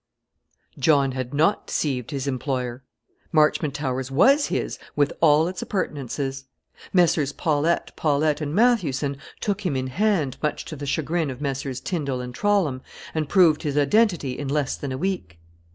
John had not deceived his employer. Marchmont Towers was his, with all its appurtenances. Messrs. Paulette, Paulette, and Mathewson took him in hand, much to the chagrin of Messrs. Tindal and Trollam, and proved his identity in less than a week.